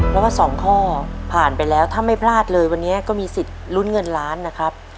เพราะว่าสองข้อผ่านไปแล้วถ้าไม่พลาดเลยวันนี้ก็มีสิทธิ์ลุ้นเงินล้านนะครับ